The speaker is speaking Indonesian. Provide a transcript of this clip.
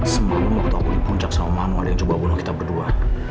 semalam waktu aku di puncak sama manual ada yang coba bolak kita berdua